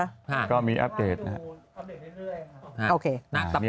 ไม่ต้องดูอัปเดตเรื่อย